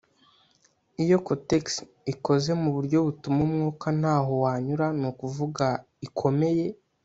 Iyo cotex ikoze mu buryo butuma umwuka ntaho wanyura ni ukuvuga ikomeye